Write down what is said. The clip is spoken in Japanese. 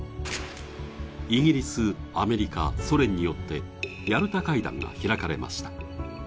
イギリス、アメリカ、ソ連によってヤルタ会談が開かれました。